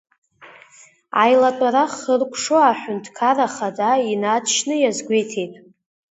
Аилатәара хыркәшо, аҳәынҭқарра ахада инаҵшьны иазгәеиҭеит…